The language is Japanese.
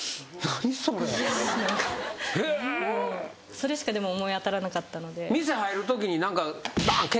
それしかでも思い当たらなかったので。